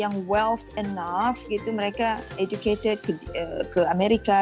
yang wealth enough gitu mereka educated ke amerika